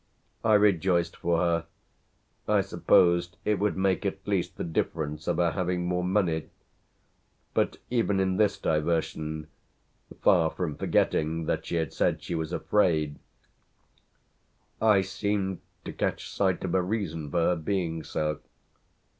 I rejoiced for her I supposed it would make at least the difference of her having more money; but even in this diversion, far from forgetting that she had said she was afraid, I seemed to catch sight of a reason for her being so.